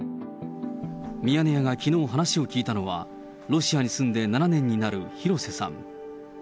ミヤネ屋がきのう、話を聞いたのは、ロシアに住んで７年になる廣瀬さん。